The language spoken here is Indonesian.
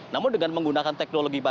namun dengan menggunakan teknologi